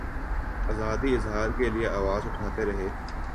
آزادیٔ اظہار کیلئے آواز اٹھاتے رہے۔